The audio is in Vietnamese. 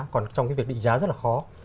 còn trong việc định giá rất là khó